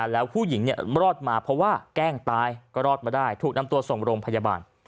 แล้วผู้หญิงรอดมาเพราะว่าแกล้งตายก็รอดมาได้ถูกนำตัวส่งโรงพยาบาล